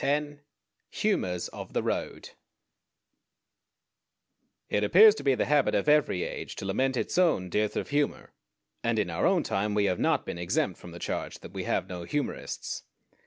X HUMORS OF THE ROAD It appears to be the habit of every age to lament its own dearth of humor, and in our own time we have not been exempt from the charge that we have no humorists.